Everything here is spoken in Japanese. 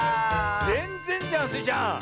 ぜんぜんじゃんスイちゃん。